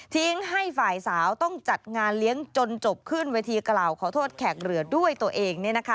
ให้ฝ่ายสาวต้องจัดงานเลี้ยงจนจบขึ้นเวทีกล่าวขอโทษแขกเรือด้วยตัวเอง